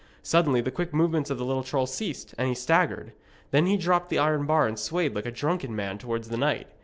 Suddenly the quick movements of the little troll ceased, and he staggered. Then he dropped the iron bar and swayed like a drunken man towards the knight.